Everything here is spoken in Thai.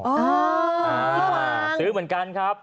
คุณกว่างซื้อเหมือนกันครับ